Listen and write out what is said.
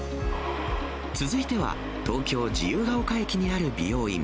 続いては、東京・自由が丘駅にある美容院。